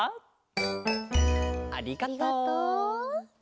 ありがとう。